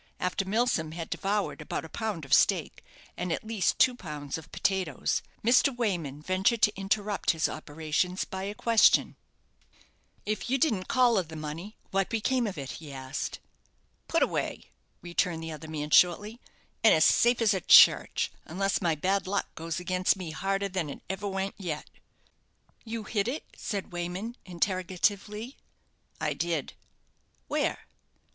After Milsom had devoured about a pound of steak, and at least two pounds of potatoes, Mr. Wayman ventured to interrupt his operations by a question. "If you didn't collar the money, what became of it?" he asked. "Put away," returned the other man, shortly; "and as safe as a church, unless my bad luck goes against me harder than it ever went yet." "You hid it?" said Wayman, interrogatively. "I did." "Where?"